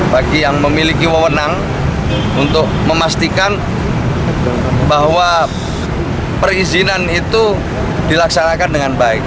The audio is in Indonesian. bagi yang memiliki wawonan untuk memastikan bahwa perizinan itu dilaksanakan dengan baik